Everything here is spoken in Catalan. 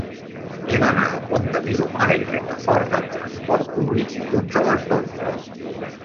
He d'anar al Pont de Vilomara i Rocafort amb trasport públic dilluns a les dotze.